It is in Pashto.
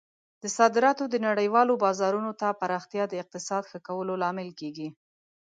د صادراتو د نړیوالو بازارونو ته پراختیا د اقتصاد ښه کولو لامل کیږي.